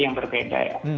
yang berbeda ya